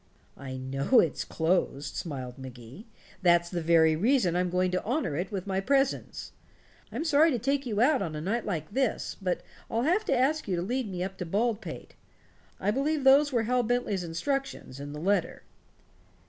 "I know it's closed," smiled Magee. "That's the very reason I'm going to honor it with my presence. I'm sorry to take you out on a night like this, but I'll have to ask you to lead me up to Baldpate. I believe those were Hal Bentley's instructions in the letter."